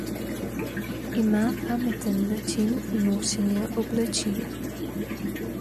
Ima pameten način nošenja oblačil.